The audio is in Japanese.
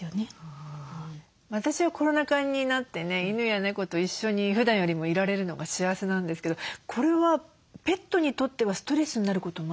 私はコロナ禍になってね犬や猫と一緒にふだんよりもいられるのが幸せなんですけどこれはペットにとってはストレスになることもあるんですかね？